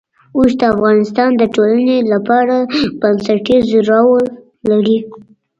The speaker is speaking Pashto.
اوښ د افغانستان د ټولنې لپاره بنسټيز رول لري.